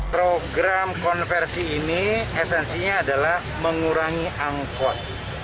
program konversi ini esensinya adalah mengurangi angkot